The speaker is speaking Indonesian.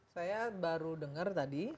saya baru dengar tadi